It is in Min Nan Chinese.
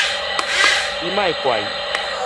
你莫怪伊